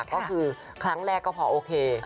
ก็คือครั้งแรกก็พอโอเค